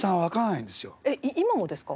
えっ今もですか？